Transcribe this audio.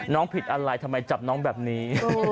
ผิดอะไรทำไมจับน้องแบบนี้